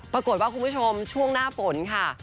ปรากฏว่าคุณผู้ชมช่วงหน้าฝนค่ะ